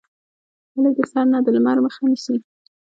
خولۍ د سر نه د لمر مخه نیسي.